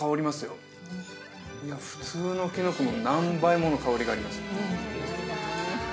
よいや普通のキノコの何倍もの香りがあります